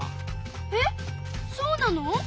えっそうなの？